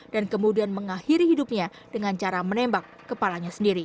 dan kemudian mengakhiri hidupnya dengan cara menembak kepalanya sendiri